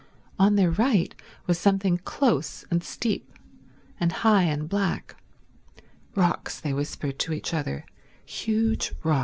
On their right was something close and steep and high and black—rocks, they whispered to each other; huge rocks.